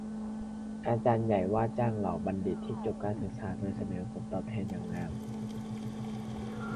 อาจารย์ใหญ่ว่าจ้างเหล่าบัณฑิตที่จบการศึกษาโดยเสนอผลตอบแทนอย่างงาม